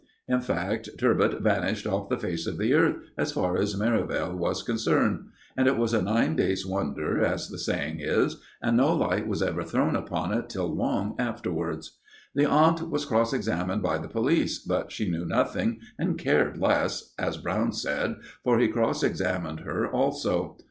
In fact, "Turbot" vanished off the face of the earth as far as Merivale was concerned; and it was a nine days' wonder, as the saying is, and no light was ever thrown upon it till long afterwards. The aunt was cross examined by the police; but she knew nothing, and cared less, as Brown said, for he cross examined her also.